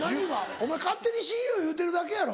お前勝手に「親友」言うてるだけやろ？